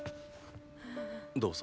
どうぞ。